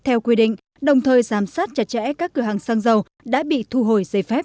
theo quy định đồng thời giám sát chặt chẽ các cửa hàng xăng dầu đã bị thu hồi giấy phép